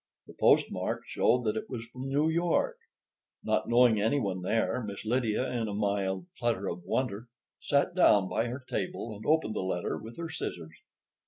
The postmark showed that it was from New York. Not knowing any one there, Miss Lydia, in a mild flutter of wonder, sat down by her table and opened the letter with her scissors.